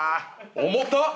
重たっ！